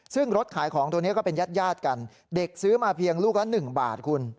ซึ่งรถขายของตัวนี้ก็เป็นญาติญาติกันเด็กซื้อมาเพียงลูกละ๑บาทคุณ